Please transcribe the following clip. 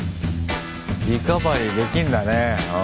リカバリーできんだね。